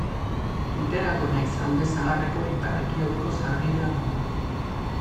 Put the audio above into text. Tuterako nahiz Alde Zaharreko ipar-ekialdeko sarbidea da.